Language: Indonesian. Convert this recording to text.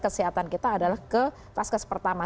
kesehatan kita adalah ke vaskes pertama